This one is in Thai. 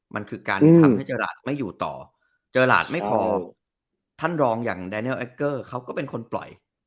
มันคือการทำให้เจอราชไม่อยู่ต่อเจอหลาดไม่พอท่านรองอย่างไดเนียลแอคเกอร์เขาก็เป็นคนปล่อย